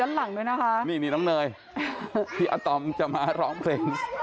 ด้านหลังด้วยนะคะนี่นี่น้องเนยพี่อาตอมจะมาร้องเพลง